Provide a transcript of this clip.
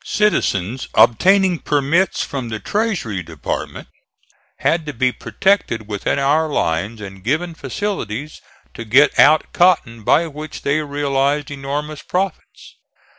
Citizens obtaining permits from the treasury department had to be protected within our lines and given facilities to get out cotton by which they realized enormous profits.